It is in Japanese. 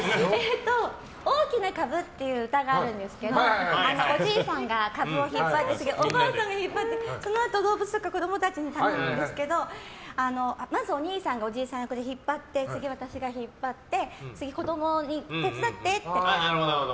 「大きなかぶ」っていう歌があるんですけどおじいさんがカブを引っ張って次、おばあさんが引っ張ってそのあと動物とか子供たちが来るんですけどまず、おにいさんがおじいさん役で引っ張って次、私が引っ張って次、子供に手伝ってって。